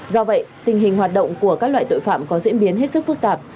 do vậy tình hình hoạt động của các loại tội phạm có diễn biến hết sức phức tạp